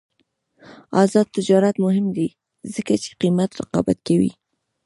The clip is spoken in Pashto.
آزاد تجارت مهم دی ځکه چې قیمت رقابت کوي.